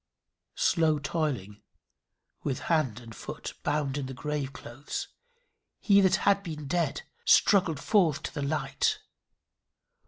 Slow toiling, with hand and foot bound in the grave clothes, he that had been dead struggled forth to the light.